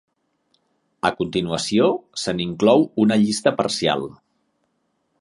A continuació, se n'inclou una llista parcial.